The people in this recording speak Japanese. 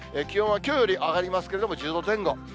気温はきょうより上がりますけれども、１０度前後。